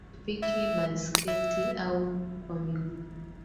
pikipiki baisketi au kwa miguu